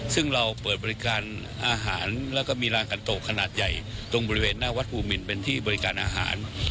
ซึ่งเราเปิดบริการอาหารแล้วก็มีรางกันโตขนาดใหญ่ตรงบริเวณหน้าวัดภูมินเป็นที่บริการอาหาร